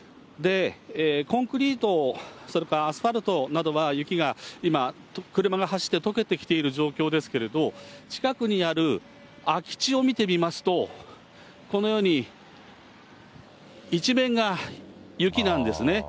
コンクリート、それからアスファルトなどは雪が、今、車が走って、とけてきている状況ですけれど、近くにある空き地を見てみますと、このように、一面が雪なんですね。